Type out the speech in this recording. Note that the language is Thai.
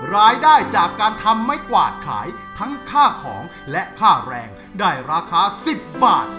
รายได้จากการทำไม้กวาดขายทั้งค่าของและค่าแรงได้ราคา๑๐บาท